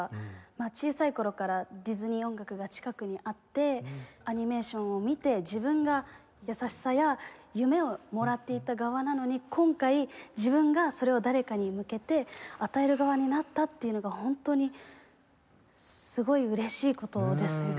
小さい頃からディズニー音楽が近くにあってアニメーションを見て自分が優しさや夢をもらっていた側なのに今回自分がそれを誰かに向けて与える側になったっていうのがホントにすごい嬉しい事ですね。